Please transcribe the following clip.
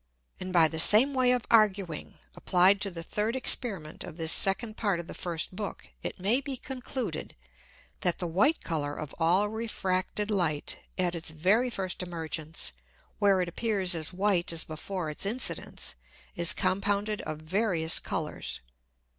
And by the same way of arguing, applied to the third Experiment of this second Part of the first Book, it may be concluded, that the white Colour of all refracted Light at its very first Emergence, where it appears as white as before its Incidence, is compounded of various Colours.